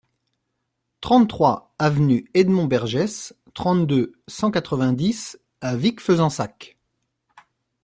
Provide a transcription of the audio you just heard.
trente-trois avenue Edmond Bergès, trente-deux, cent quatre-vingt-dix à Vic-Fezensac